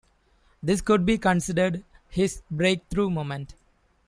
This could be considered his breakthrough moment.